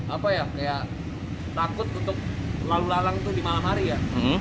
apa ya kayak takut untuk lalu lalang itu di malam hari ya